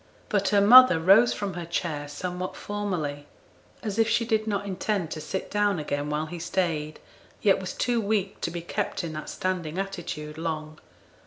But her mother rose from her chair somewhat formally, as if she did not intend to sit down again while he stayed, yet was too weak to be kept in that standing attitude long.